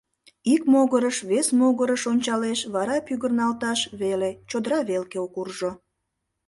Ик могырыш, вес могырыш ончалеш, вара пӱгырналташ веле — чодыра велке куржо.